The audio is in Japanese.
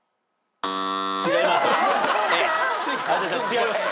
違います。